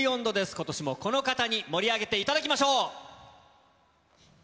ことしもこの方に盛り上げていただきましょう。